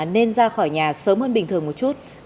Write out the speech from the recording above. nên ra khỏi nhà sớm hơn bình thường một chút